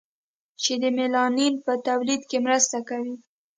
چې د میلانین په تولید کې مرسته کوي.